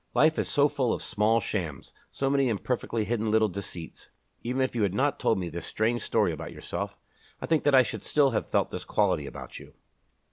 Life is so full of small shams, so many imperfectly hidden little deceits. Even if you had not told me this strange story about yourself, I think that I should still have felt this quality about you."